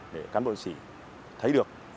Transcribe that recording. để cán bộ chiến sĩ thấy được